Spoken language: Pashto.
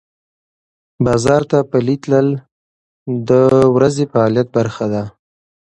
بازار ته پلي تلل د ورځې فعالیت برخه ده.